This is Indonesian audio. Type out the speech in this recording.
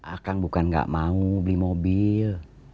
akang bukan gak mau beli mobil